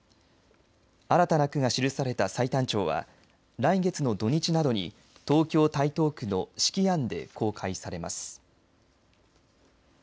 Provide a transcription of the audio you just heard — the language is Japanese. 新たな句が記された歳旦帳は来月の土日などに東京・台東区の子規庵で公開されます。